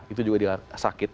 itu juga dia sakit